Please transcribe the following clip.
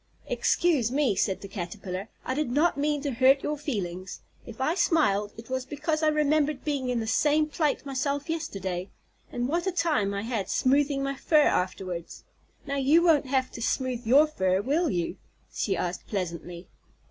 "Excuse me," said the Caterpillar, "I did not mean to hurt your feelings. If I smiled, it was because I remembered being in the same plight myself yesterday, and what a time I had smoothing my fur afterwards. Now, you won't have to smooth your fur, will you?" she asked pleasantly.